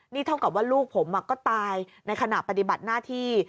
นี่เท่ากับว่าลูกผมก็ตายในขณะปฏิบัติหน้าที่